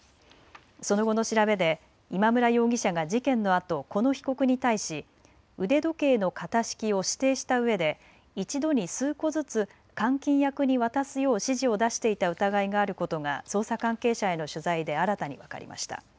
その後の調べで今村容疑者が事件のあと、この被告に対し腕時計の型式を指定したうえで一度に数個ずつ換金役に渡すよう指示を出していた疑いがあることが捜査関係者への取材で新たに分かりました。